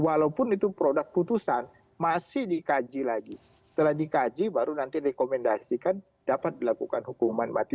walaupun itu produk putusan masih dikaji lagi setelah dikaji baru nanti rekomendasikan dapat dilakukan hukuman mati